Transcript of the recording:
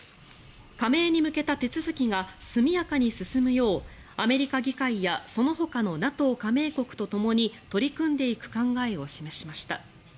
加盟に向けた手続きが速やかに進むようアメリカ議会やそのほかのＮＡＴＯ加盟国とともに取り組んでいく考えを示しました。